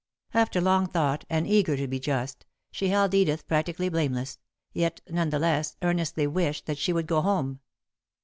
After long thought, and eager to be just, she held Edith practically blameless, yet, none the less, earnestly wished that she would go home.